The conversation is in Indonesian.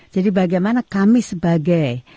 jadi bagaimana kami sebagai